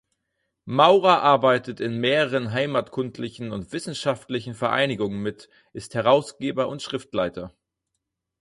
Maurer arbeitet in mehreren heimatkundlichen und wissenschaftlichen Vereinigungen mit, ist Herausgeber und Schriftleiter.